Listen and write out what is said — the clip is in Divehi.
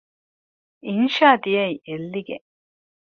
އިންޝާ ދިޔައީ އެއްލިގެން